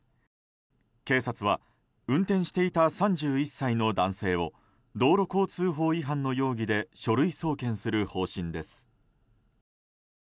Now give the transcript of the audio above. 警察は運転していた３１歳の男性を道路交通法違反の容疑で書類送検する方針です。